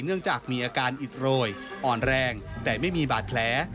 เนื่องจากมีอาการอิดโรยอ่อนแรงแต่ไม่มีบาดแผล